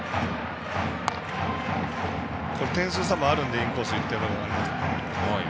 点数差もあるのでインコース行ってますね。